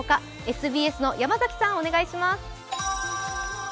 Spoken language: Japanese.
ＳＢＳの山崎さん、お願いします。